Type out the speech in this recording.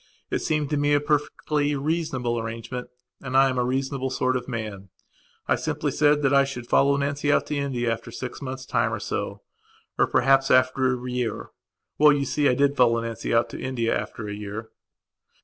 It seemed to me a perfectly reasonable arrangement and I am a reasonable sort of man. I simply said that I should follow Nancy out to India after six months' time or so. Or, perhaps, after a year. Well, you see, I did follow Nancy out to India after a year....